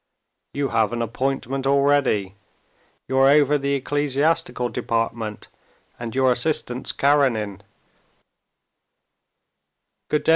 "You have an appointment already. You're over the ecclesiastical department. And your assistant's Karenin."